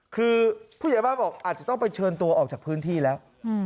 คือผู้ใหญ่บ้านบอกอาจจะต้องไปเชิญตัวออกจากพื้นที่แล้ว